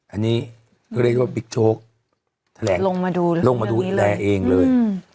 อันนี้เรียกว่าบิ๊กโชคแถลงลงมาดูแถลงเองเลย